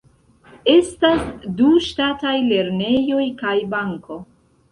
Estas du ŝtataj lernejoj kaj banko.